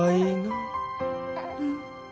うん。